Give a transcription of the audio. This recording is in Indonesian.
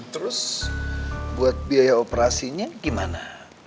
terus buat biaya operasinya gimana